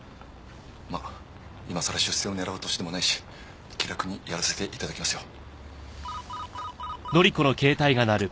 まあ今さら出世を狙う年でもないし気楽にやらせて頂きますよ。